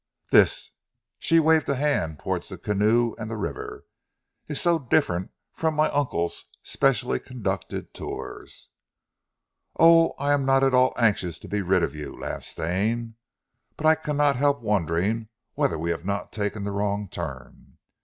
This " she waved a hand towards the canoe and the river "is so different from my uncle's specially conducted tour." "Oh, I am not at all anxious to be rid of you," laughed Stane, "but I cannot help wondering whether we have not taken the wrong turn.